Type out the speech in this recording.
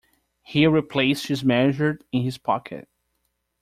He replaced his measure in his pocket.